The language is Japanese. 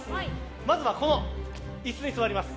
まずは、椅子に座ります。